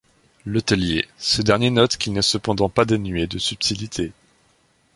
Letellier, ce dernier note qu’il n’est cependant pas dénué de subtilité.